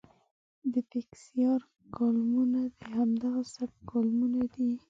د بېکسیار کالمونه د همدغه سبک کالمونه دي.